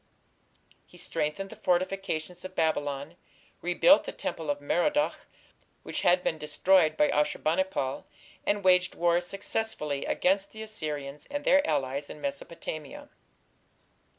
He strengthened the fortifications of Babylon, rebuilt the temple of Merodach, which had been destroyed by Ashur bani pal, and waged war successfully against the Assyrians and their allies in Mesopotamia.